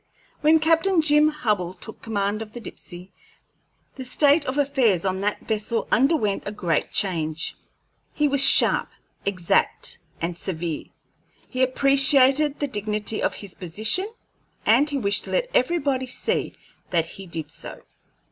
When Captain Jim Hubbell took command of the Dipsey the state of affairs on that vessel underwent a great change. He was sharp, exact, and severe; he appreciated the dignity of his position, and he wished to let everybody see that he did so.